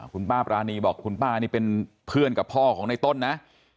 คุณป้าปรานีบอกคุณป้านี่เป็นเพื่อนกับพ่อของในต้นนะ